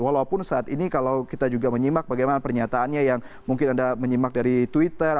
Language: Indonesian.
walaupun saat ini kalau kita juga menyimak bagaimana pernyataannya yang mungkin anda menyimak dari twitter